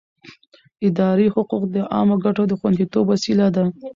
اداري حقوق د عامه ګټو د خوندیتوب وسیله ده.